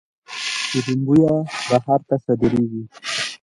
شیرین بویه بهر ته صادریږي